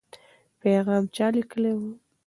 پیغام چا لیکلی و؟